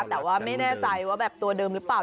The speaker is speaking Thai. แต่ว่าไม่แน่ใจว่าแบบตัวเดิมหรือเปล่า